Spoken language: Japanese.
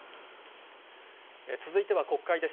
続いては国会です。